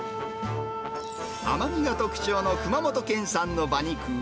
甘みが特徴の熊本県産の馬肉。